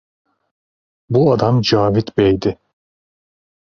Bu adam Cavit Bey'di.